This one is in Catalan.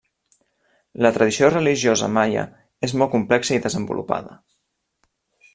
La tradició religiosa maia és molt complexa i desenvolupada.